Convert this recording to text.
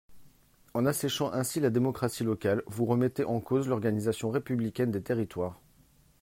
En asséchant ainsi la démocratie locale, vous remettez en cause l’organisation républicaine des territoires.